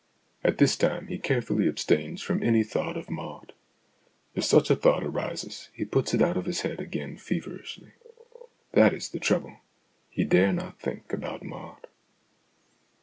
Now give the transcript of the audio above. At this time he carefully abstains from any thought of Maud ; if such a thought arises, he. puts it out of his head again feverishly. That is the trouble he dare not think about Maud.